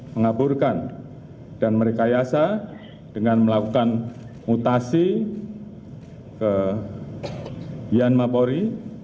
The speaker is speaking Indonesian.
mengaburkan dan merekayasa dengan melakukan mutasi ke yanma polri